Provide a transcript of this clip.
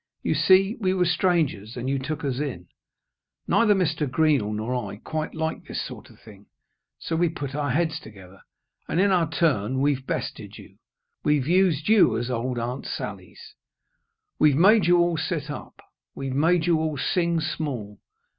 You see, we were strangers, and you took us in. Neither Mr. Greenall nor I quite liked this sort of thing, so we put our heads together, and, in our turn, we've bested you. We've used you as old Aunt Sallies. We've made you all sit up. We've made you all sing small.